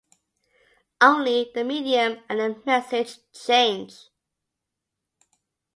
Only the medium and the message changed.